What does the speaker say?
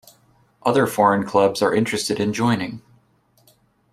Other foreign clubs are interested in joining.